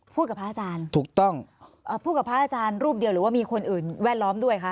กับพระอาจารย์ถูกต้องเอ่อพูดกับพระอาจารย์รูปเดียวหรือว่ามีคนอื่นแวดล้อมด้วยคะ